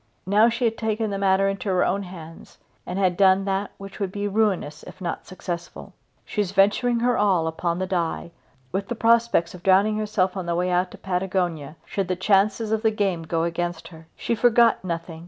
Now she had taken the matter into her own hands and had done that which would be ruinous if not successful. She was venturing her all upon the die, with the prospect of drowning herself on the way out to Patagonia should the chances of the game go against her. She forgot nothing.